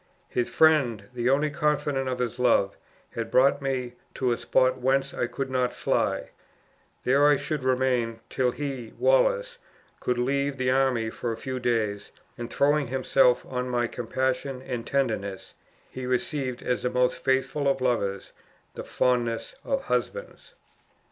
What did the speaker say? His friend, the only confidant of his love, had brought me to a spot whence I could not fly; there I should remain, till he, Wallace, could leave the army for a few days, and throwing himself on my compassion and tenderness, he received as the most faithful of lovers, the fondest of husbands.